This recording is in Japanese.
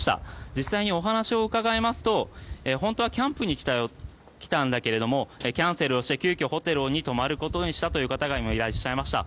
実際に、お話を伺いますと本当はキャンプに来たんだけれどもキャンセルをして急きょ、ホテルに泊まることにしたという方がいらっしゃいました。